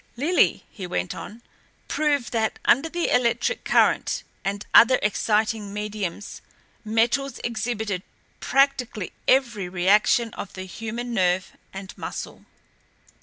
"Lillie," he went on, "proved that under the electric current and other exciting mediums metals exhibited practically every reaction of the human nerve and muscle.